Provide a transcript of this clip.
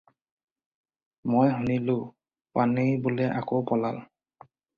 মই শুনিলোঁ পানেই বোলে আকৌ পলাল।